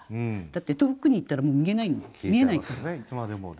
だって遠くに行ったらもう見えないから。